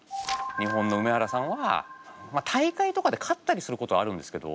日本の梅原さんは大会とかで勝ったりすることあるんですけど。